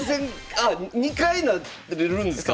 そう２回なれるんですよ。